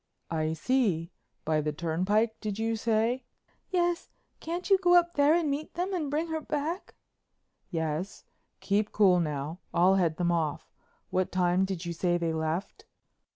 "I see—by the turnpike, did you say?" "Yes. Can't you go up there and meet them and bring her back?" "Yes—keep cool now, I'll head them off. What time did you say they left?"